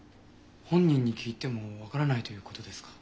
本人に聞いても分からないということですか。